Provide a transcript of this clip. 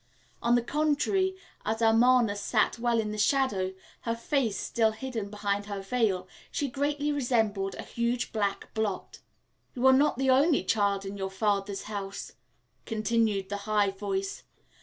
On the contrary, as Amarna sat well in the shadow, her face still hidden behind her veil, she greatly resembled a huge black blot. "You are not the only child in your father's house," continued the high voice.